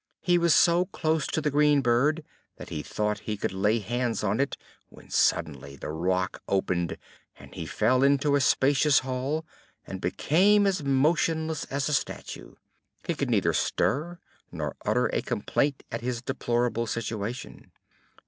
He was so close to the green bird that he thought he could lay hands on it, when suddenly the rock opened and he fell into a spacious hall, and became as motionless as a statue; he could neither stir, nor utter a complaint at his deplorable situation.